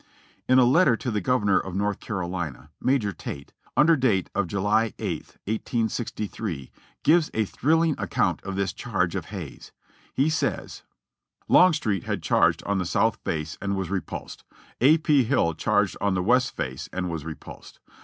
In a letter to the Governor of North Carolina, Major Tate, under date of July 8th, 1863, gives a thrilling account of this charge of Hays. He says : "Longstreet had charged on the south face and was repulsed. A. P. Hill charged on the west face and was repulsed.